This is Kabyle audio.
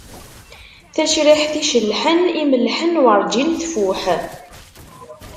Tacriḥt icellḥen imellḥen, werǧin tfuḥ.